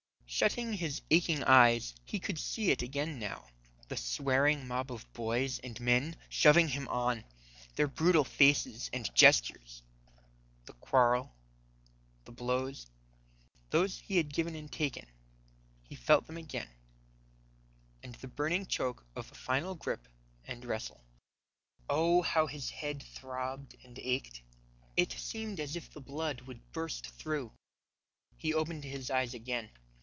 Shutting his aching eyes he could see it again now; the swearing mob of boys and men shoving him on, their brutal faces and gestures, the quarrel, the blows those he had given and taken he felt them again, and the burning choke of the final grip and wrestle. Oh, how his head throbbed and ached! It seemed as if the blood would burst through. He opened his eyes again.